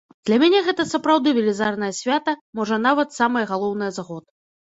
Для мяне гэта сапраўды велізарнае свята, можа нават самае галоўнае за год.